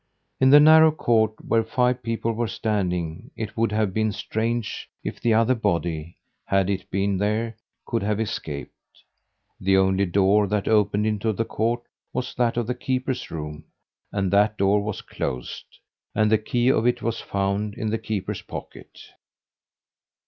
In the narrow court where five people were standing it would have been strange if the other body, had it been there, could have escaped. The only door that opened into the court was that of the keeper's room, and that door was closed, and the key of it was found in the keeper's pocket.